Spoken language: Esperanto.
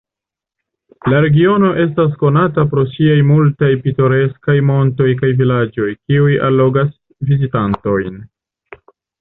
La regiono estas konata pro siaj multaj pitoreskaj montoj kaj vilaĝoj, kiuj allogas vizitantojn.